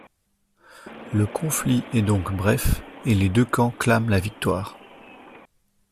Le conflit est donc bref et les deux camps clament la victoire.